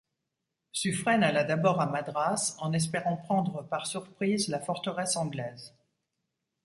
Suffren alla d'abord à Madras, en espérant prendre par surprise la forteresse anglaise.